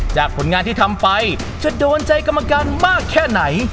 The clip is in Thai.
ผลงานที่ทำไปจะโดนใจกรรมการมากแค่ไหน